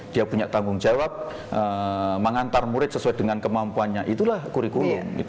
dia punya tanggung jawab mengantar murid sesuai dengan kemampuannya itulah kurikulum